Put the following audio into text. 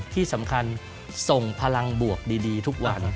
ที่สำคัญส่งพลังบวกดีทุกวัน